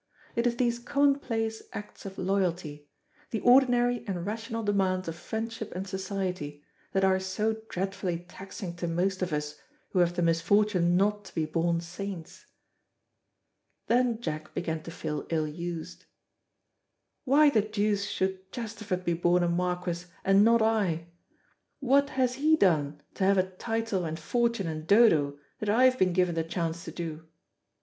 It is these commonplace acts of loyalty, the ordinary and rational demands of friendship and society, that are so dreadfully taxing to most of us who have the misfortune not to be born saints. Then Jack began to feel ill used. "Why the deuce should Chesterford be born a marquis and not I? What has he done to have a title and fortune and Dodo that I have been given the chance to do?"